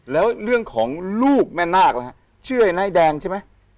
แล้วเรื่องของลูกแม่นาคล่ะฮะเชื่อไอ้นายแดงใช่ไหม